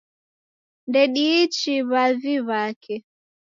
Ndediichi w'avi w'ake